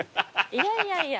いやいやいや